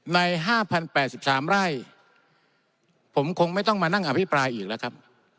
ใน๕๐๘๓ไร่ผมคงไม่ต้องมานั่งอภิปรายอีกแล้วครับ